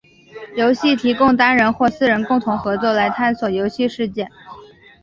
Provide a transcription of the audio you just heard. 游戏提供单人或四人共同合作来探索游戏世界。